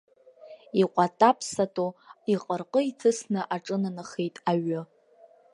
Иҟәата-ԥсато иҟырҟы иҭысны аҿынанахеит аҩы.